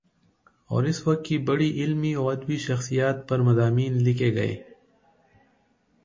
اور اس وقت کی بڑی علمی و ادبی شخصیات پر مضامین لکھے گئے